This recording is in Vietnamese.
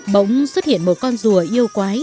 bỗng xuất hiện một con rùa yêu quái